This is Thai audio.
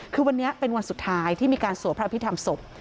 คือวันนี้เป็นวันสุดท้ายที่มีการสวดพระอภิษฐรรมศพ